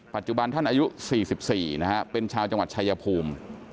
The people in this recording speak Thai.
ปัจจุบันท่านอายุ๔๔นะฮะเป็นชาวจังหวัดชายภูมิ